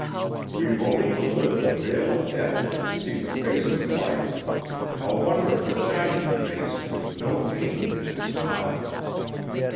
We've only to lift the veil of Death to see the face of Life a wonderful, shining face with no pain in its smile.